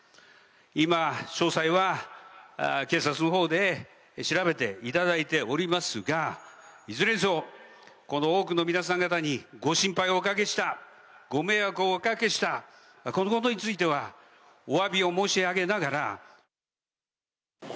今、詳細は警察のほうで調べていただいておりますが、いずれにせよ、この多くの皆さん方にご心配をおかけした、ご迷惑をおかけした、このことについてはおわびを申し上げながら。